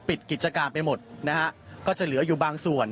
ปิดกิจการไปหมดนะฮะก็จะเหลืออยู่บางส่วน